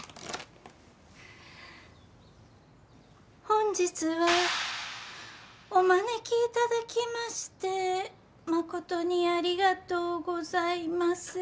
本日はお招きいただきまして誠にありがとうございます。